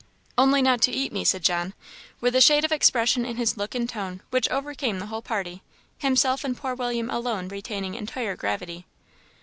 "Only not eat me," said John, with a shade of expression in his look and tone which overcame the whole party, himself and poor William alone retaining entire gravity.